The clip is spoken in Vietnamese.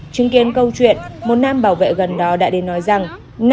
chứng kiến câu chuyện một nam bảo vệ gần đó đã đến nói rằng